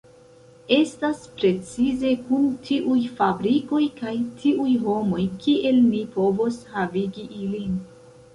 Estas precize kun tiuj fabrikoj kaj tiuj homoj kiel ni povos havigi ilin.